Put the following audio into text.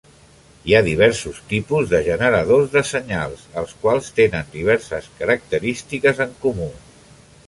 Hi ha diversos tipus de generadors de senyals, els quals tenen diverses característiques en comú.